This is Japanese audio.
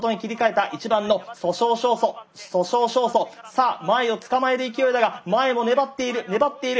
１番のさあ前を捕まえる勢いだが前も粘っている粘っている。